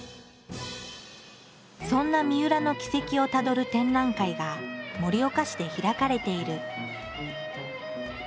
そんなみうらの軌跡をたどる展覧会が盛岡市で開かれている。